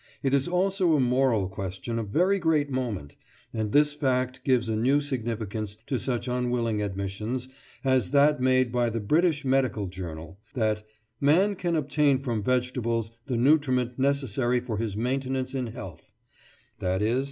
It is also a moral question of very great moment, and this fact gives a new significance to such unwilling admissions as that made by the British Medical Journal, that "man can obtain from vegetables the nutriment necessary for his maintenance in health"—_i.e.